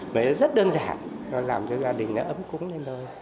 mà nó rất đơn giản nó làm cho gia đình nó ấm cúng lên thôi